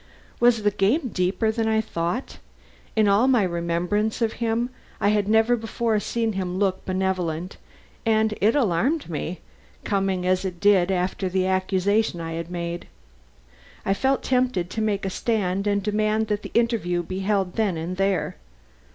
Was the game deeper than I thought? In all my remembrance of him I had never before seen him look benevolent, and it alarmed me, coming as it did after the accusation I had made. I felt tempted to make a stand and demand that the interview be held then and there.